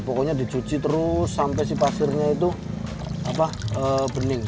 pokoknya dicuci terus sampai si pasirnya itu bening